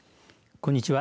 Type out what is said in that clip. こんにちは。